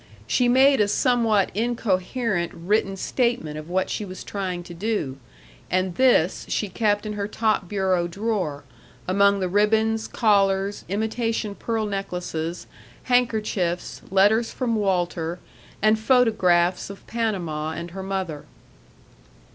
She made a somewhat incoherent written statement of what she was trying to do, and this she kept in her top bureau drawer, among the ribbons, collars, imitation pearl necklaces, handkerchiefs, letters from Walter, and photographs of Panama and her mother.